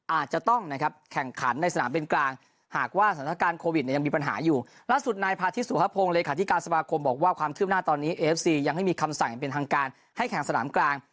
อาจจะต้องนะครับแข่งขันในสนามเป็นกลาง